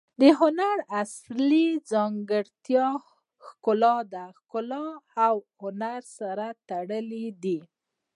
د هنر اصلي ځانګړتیا ښکلا ده. ښګلا او هنر سره تړلي دي.